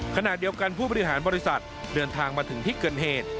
ขณะเดียวกันผู้บริหารบริษัทเดินทางมาถึงที่เกิดเหตุ